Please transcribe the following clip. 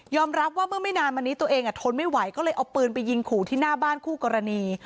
รับว่าเมื่อไม่นานมานี้ตัวเองทนไม่ไหวก็เลยเอาปืนไปยิงขู่ที่หน้าบ้านคู่กรณี